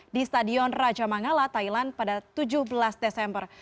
di stadion raja mangala thailand pada tujuh belas desember